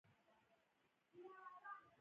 ازادي راډیو د د ځنګلونو پرېکول اړوند مرکې کړي.